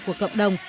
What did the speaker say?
của cộng đồng